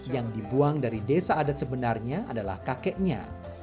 yang dibuang dari desa adat sebenarnya adalah kakeknya